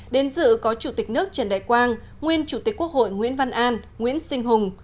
đến dự có chủ tịch nước trần đại quang nguyên chủ tịch quốc hội nguyễn văn an nguyễn sinh hùng